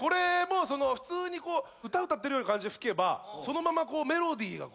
普通に歌歌ってるような感じで吹けばそのままメロディーが奏でられる。